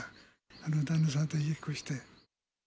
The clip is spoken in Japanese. あの旦那さんと言いっこして。